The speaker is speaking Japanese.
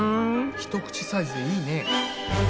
一口サイズでいいね。